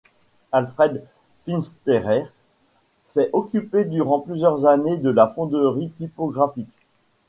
Alfred Finsterer s'est occupé durant plusieurs années de la fonderie typographique.